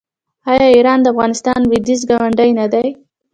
آیا ایران د افغانستان لویدیځ ګاونډی نه دی؟